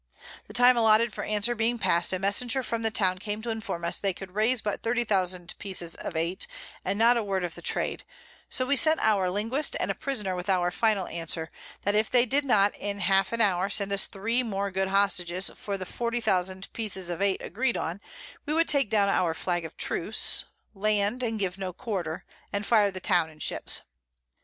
The Time allotted for Answer being past, a Messenger from the Town came to inform us, they could raise but 30000 Pieces of Eight, and not a word of the Trade; so we sent our Linguist and a Prisoner with our final Answer, that if they did not in half an hour send us three more good Hostages for the 40000 Pieces of Eight agreed on, we would take down our Flag of Truce, land, and give no Quarter, and fire the Town and Ships.